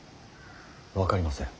分かりません。